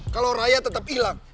kalau raya tetap hilang